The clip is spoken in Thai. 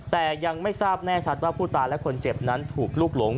แต่ยังไม่ทราบแน่ชัดว่าผู้ตายและคนเจ็บนั้นถูกลูกหลง